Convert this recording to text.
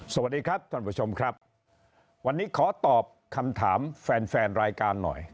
สวัสดีครับท่านผู้ชมครับวันนี้ขอตอบคำถามแฟนแฟนรายการหน่อย